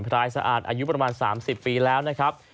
รายสะอาดอายุประมาณ๓๐ปีแล้วนะครับ